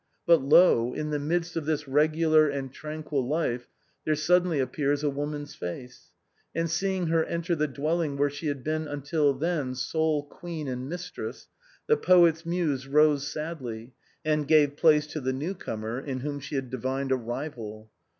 But, lo, in the midst of this regular and tranquil life there suddenly appears a woman's face, and seeing her enter the dwelling where she had been until then sole queen and mistress, the poet's Muse rose sadly and gave place to the newcomer in whom she had divined a rival.